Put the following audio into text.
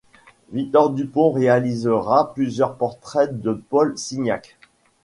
Victor Dupont réalisera plusieurs portraits de Paul Signac.